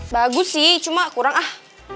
bagus sih cuma kurang ah